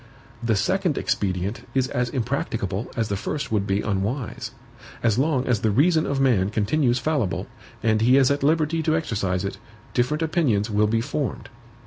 The second expedient is as impracticable as the first would be unwise. As long as the reason of man continues fallible, and he is at liberty to exercise it, different opinions will be formed.